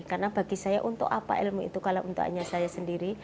karena bagi saya untuk apa ilmu itu kalau untuk hanya saya sendiri